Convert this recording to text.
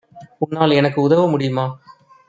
உன்னால் எனக்கு உதவ முடியுமா?